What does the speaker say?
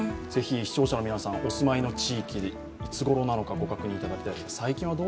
ぜひ視聴者の皆さん、お住まいの地域、いつごろなのか、ご確認いただきたい。